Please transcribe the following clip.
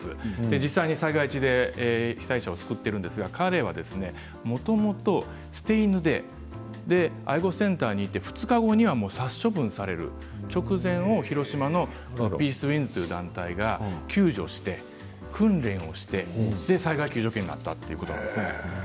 実際に災害時で被災者を救っているんですが彼はもともと捨て犬で愛護センターにいて２日後には殺処分される、直前に広島のピースウィンズ・ジャパンという団体が救助して災害救助犬になったんです。